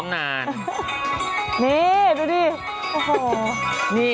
นี่ดูดิ